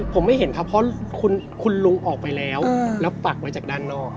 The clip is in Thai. ผมไม่เห็นครับเพราะคุณลุงออกไปแล้วแล้วปักไว้จากด้านนอก